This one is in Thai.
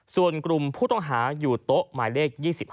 ส่วนกลุ่มผู้ต้องหาอยู่โต๊ะหมายเลข๒๕